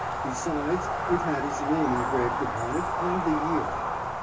Besides it had his name engraved upon it and the year."